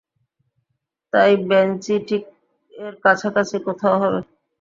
তাই বাঞ্জি ঠিক এর কাছাকাছি কোথাও হবে।